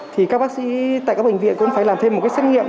thì các bác sĩ tại các bệnh viện cũng phải làm thêm một cái xét nghiệm